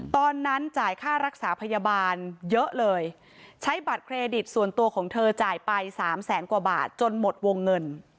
จ่ายค่ารักษาพยาบาลเยอะเลยใช้บัตรเครดิตส่วนตัวของเธอจ่ายไปสามแสนกว่าบาทจนหมดวงเงิน